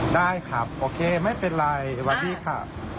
ได้ครับโอเคไม่เป็นไรวันนี้ค่ะ